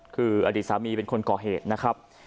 คืออดีตสามีเป็นคนก่อเหตุนะครับ